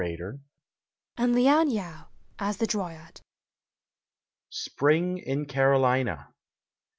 MILTONs SPRING IN CAROLINA.